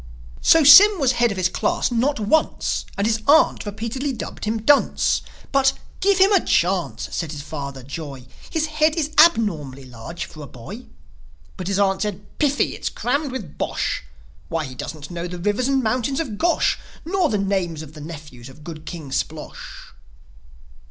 So Sym was head of his class not once; And his aunt repeatedly dubbed him "Dunce." But, "Give him a chance," said his father, Joi. "His head is abnormally large for a boy." But his aunt said, "Piffie! It's crammed with bosh! Why, he don't know the rivers and mountains of Gosh, Nor the names of the nephews of good King Splosh!"